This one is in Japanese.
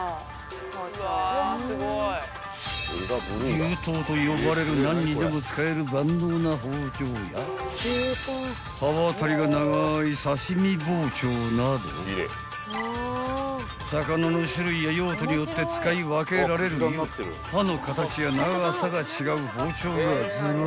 ［牛刀と呼ばれる何にでも使える万能な包丁や刃渡りが長い刺身包丁など魚の種類や用途によって使い分けられるよう刃の形や長さが違う包丁がずらり］